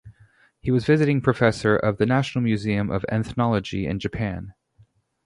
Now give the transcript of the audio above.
He was visiting professor of the National Museum of Ethnology in Japan.